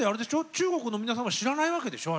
中国の皆さんは知らないわけでしょ？